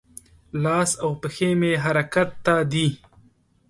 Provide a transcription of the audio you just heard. لاس او پښې مې حرکت ته دي.